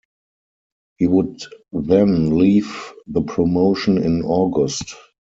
He would then leave the promotion in August.